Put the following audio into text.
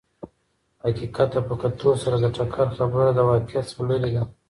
حقیقت ته په کتو سره د ټکر خبره له واقعیت څخه لرې ده.